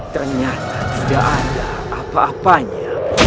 ternyata tidak ada apa apanya